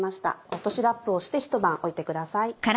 落としラップをしてひと晩置いてください。